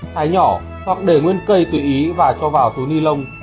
thái nhỏ hoặc để nguyên cây tự ý và cho vào túi ni lông